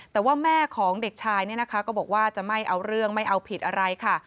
แต่ว่าแม่ของเด็กชายเนี่ยนะคะก็บอกว่าจะไม่เอาเรื่องไม่เอาผิดอะไรค่ะ